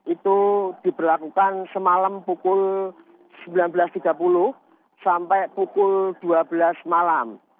itu diberlakukan semalam pukul sembilan belas tiga puluh sampai pukul dua belas malam